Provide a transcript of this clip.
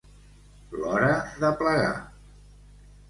L'hora de plegar.